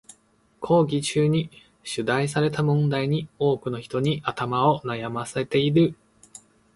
講義中に出題された問題に多くの人に頭を悩ませている。